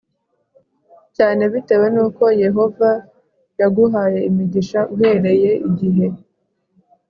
cyane bitewe n uko Yehova yaguhaye imigisha uhereye igihe